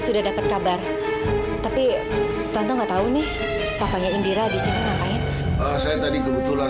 sudah dapat kabar tapi tante nggak tahu nih papanya indira disini namanya saya tadi kebetulan